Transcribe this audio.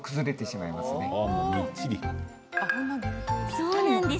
そうなんです。